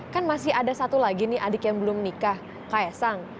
kan masih ada satu lagi nih adik yang belum nikah kaisang